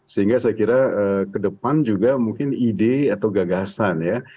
sehingga saya kira ke depan juga mungkin ide atau gagasan ya